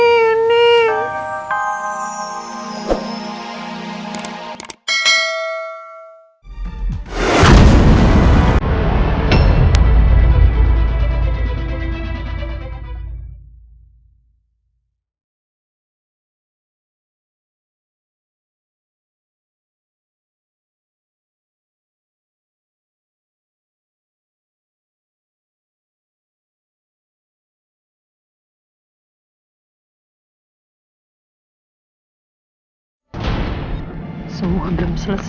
semua belum selesai